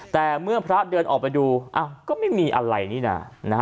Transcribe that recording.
แต่เมื่อพระเดินออกไปดูก็ไม่มีอะไรนี่นะ